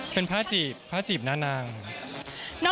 เป็นพระจีบพระจีบหน้านางค่ะ